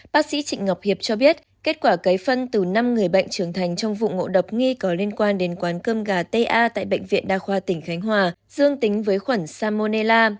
bác sĩ trịnh ngọc hiệp cho biết kết quả cấy phân từ năm người bệnh trưởng thành trong vụ ngộ độc nghi có liên quan đến quán cơm gà ta tại bệnh viện đa khoa tỉnh khánh hòa dương tính với khuẩn salmonella